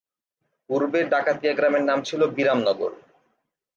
পুর্বে ডাকাতিয়া গ্রামের নাম ছিল বিরামনগর।